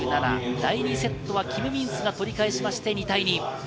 第２セットはキム・ミンスが取り返しまして、２対２。